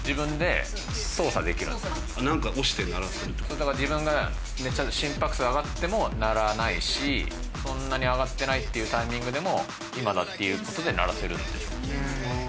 だから自分がめっちゃ心拍数上がっても鳴らないしそんなに上がってないっていうタイミングでも「今だ」っていう事で鳴らせるんです。